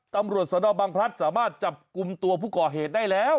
ตำรวจสนบังพลัดสามารถจับกลุ่มตัวผู้ก่อเหตุได้แล้ว